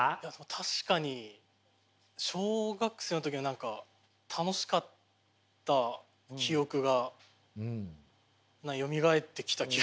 確かに小学生の時は何か楽しかった記憶がよみがえってきた気がします。